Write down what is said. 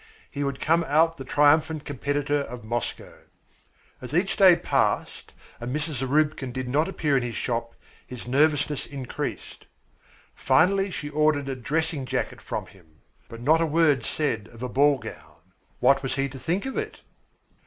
He would come out the triumphant competitor of Moscow. As each day passed and Mrs. Zarubkin did not appear in his shop, his nervousness increased. Finally she ordered a dressing jacket from him but not a word said of a ball gown. What was he to think of it?